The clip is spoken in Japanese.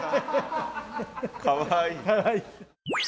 かわいい。